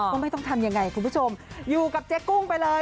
ก็ไม่ต้องทำยังไงคุณผู้ชมอยู่กับเจ๊กุ้งไปเลย